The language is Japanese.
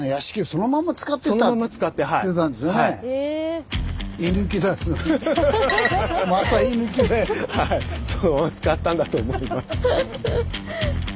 そのまま使ったんだと思います。